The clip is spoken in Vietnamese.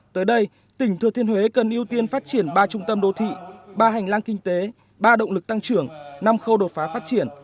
tới đây tỉnh thừa thiên huế cần ưu tiên phát triển ba trung tâm đô thị ba hành lang kinh tế ba động lực tăng trưởng năm khâu đột phá phát triển